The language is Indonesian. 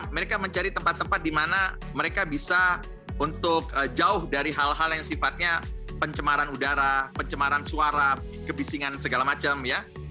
mereka mencari tempat tempat di mana mereka bisa untuk jauh dari hal hal yang sifatnya pencemaran udara pencemaran suara kebisingan segala macam ya